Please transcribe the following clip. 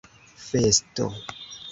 festo